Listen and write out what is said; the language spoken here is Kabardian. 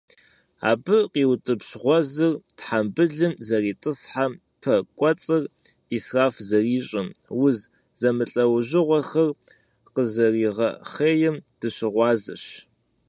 Абы къиутӀыпщ гъуэзыр тхьэмбылым зэритӀысхьэм, пэ кӀуэцӀыр Ӏисраф зэрищӀым, уз зэмылӀэужьыгъуэхэр къызэригъэхъейм дыщыгъуазэщ.